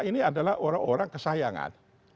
ini adalah orang orang kesayangan